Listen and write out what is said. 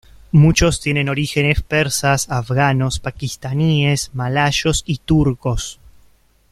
Muchos tienen orígenes persas, afganos, pakistaníes, malayos, y turcos.